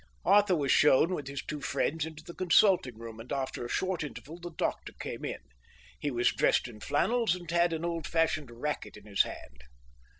Arthur was shewn with his two friends into the consulting room, and after a short interval the doctor came in. He was dressed in flannels and had an old fashioned racket in his hand.